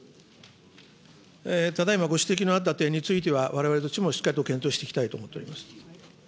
ただいまご指摘のあった点については、われわれとしてもしっかりと検討していきたいと思っております。